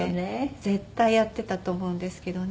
絶対やってたと思うんですけどね。